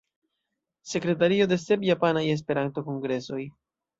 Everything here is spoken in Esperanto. Sekretario de sep Japanaj Esperanto-kongresoj.